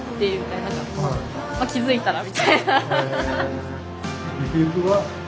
気付いたらみたいな。